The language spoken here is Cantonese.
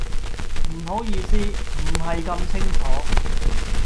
唔好意思，唔係咁清楚